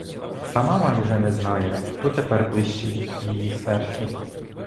Сама майже не знає, хто тепер ближчий її серцю.